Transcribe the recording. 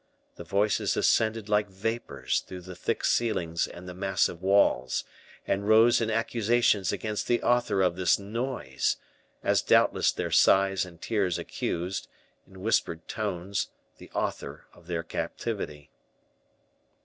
The voices ascended like vapors through the thick ceilings and the massive walls, and rose in accusations against the author of this noise, as doubtless their sighs and tears accused, in whispered tones, the author of their captivity.